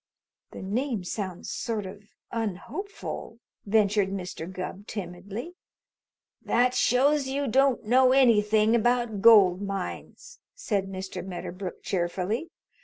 "The name sounds sort of unhopeful," ventured Mr. Gubb timidly. "That shows you don't know anything about gold mines," said Mr. Medderbrook cheerfully.